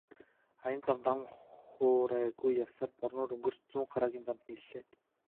Аян замд ам хуурайгүй явсаар Борнуур өнгөрч Зүүнхараагийн замд нийллээ.